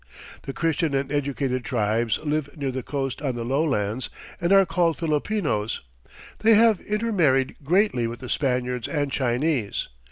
The Christian and educated tribes live near the coast on the lowlands and are called Filipinos. They have intermarried greatly with the Spaniards and Chinese.